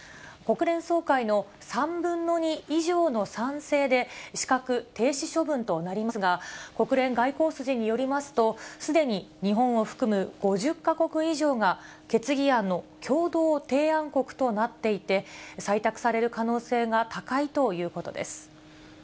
国連総会の３分の２以上の賛成で、資格停止処分となりますが、国連外交筋によりますと、すでに日本を含む５０か国以上が、決議案の共同提案国となっていて、採択される可能性が高いということです。